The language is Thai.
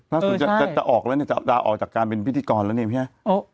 ล่าสุดนี้จะออกจากการเป็นพิธีกรแล้วเนี่ย